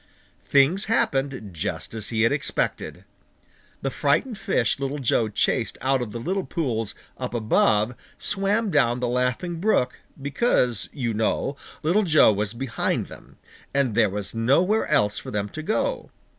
Things happened just as he had expected. The frightened fish Little Joe chased out of the little pools up above swam down the Laughing Brook, because, you know, Little Joe was behind them, and there was nowhere else for them to go.